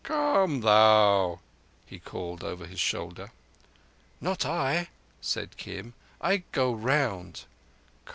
"Come, thou!" he called over his shoulder. "Not I," said Kim". "I go round."